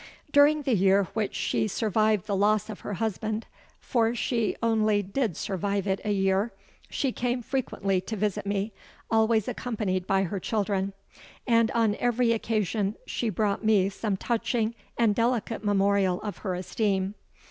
During the year which she survived the loss of her husband—for she only did survive it a year—she came frequently to visit me, always accompanied by her children; and on every occasion she brought me some touching and delicate memorial of her esteem.